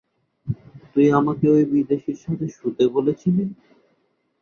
তুই আমাকে ওই বিদেশীর সাথে শুতে বলেছিলি।